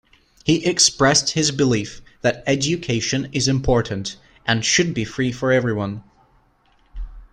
He expressed his belief that education is important and should be free for everyone.